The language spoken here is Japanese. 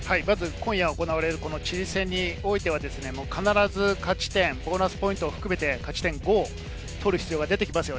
今夜行われるチリ戦においては、必ず勝ち点、ボーナスポイントを含めて勝ち点５を取る必要が出てきます。